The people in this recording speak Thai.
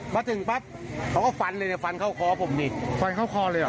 มาถึงปั๊บเขาก็ฟันเลยเนี่ยฟันเข้าคอผมนี่ฟันเข้าคอเลยเหรอ